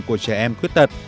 của trẻ em khuyết thật